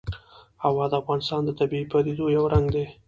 هوا د افغانستان د طبیعي پدیدو یو رنګ دی.